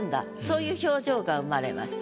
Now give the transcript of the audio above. そういう表情が生まれます。